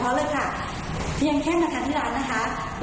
เป็นแฟนรายการตลอดข่าวโดยเฉพาะเลยค่ะที่ยังแค่มาทานที่ร้านนะคะ